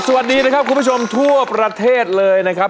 สวัสดีนะครับคุณผู้ชมทั่วประเทศเลยนะครับ